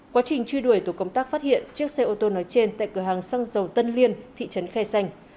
quá trình truy đuổi tổ công tác phát hiện chiếc xe ô tô nói trên tại cửa hàng xăng dầu tân liên thị trấn khe xanh